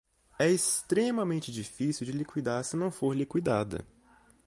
é extremamente difícil de liquidar se não for liquidada